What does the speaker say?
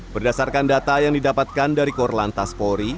berdasarkan data yang didapatkan dari korlantas polri